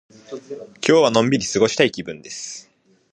今日はのんびり過ごしたい気分です。